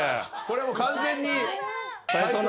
これはもう完全に。